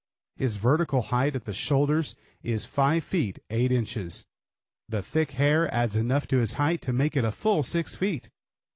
His vertical height at the shoulders is 5 feet 8 inches. The thick hair adds enough to his height to make it full 6 feet.